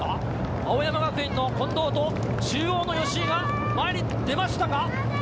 青山学院の近藤と中央の吉居が前に出ましたか。